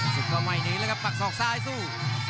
ศึกก็ไม่หนีเลยครับปักสองที่ซ้ายสู้